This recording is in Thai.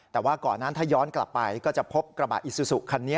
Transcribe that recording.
แต่ว่าก่อนนั้นถ้าย้อนกลับไปก็จะพบกระบะอิซูซูคันนี้